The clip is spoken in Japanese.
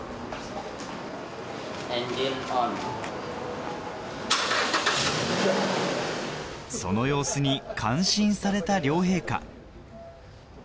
・エンジンオン・その様子に感心された両陛下